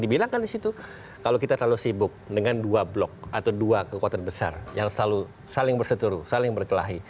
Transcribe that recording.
dibilangkan di situ kalau kita terlalu sibuk dengan dua blok atau dua kekuatan besar yang selalu saling berseturu saling berkelahi